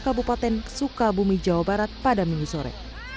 kabupaten sukabumi jawa barat pada minggu sore